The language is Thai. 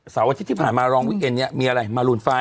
อาทิตย์ที่ผ่านมารองวิกเอ็นเนี่ยมีอะไรมารูนไฟล